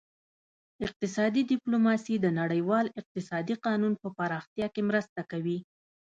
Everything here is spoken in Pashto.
اقتصادي ډیپلوماسي د نړیوال اقتصادي قانون په پراختیا کې مرسته کوي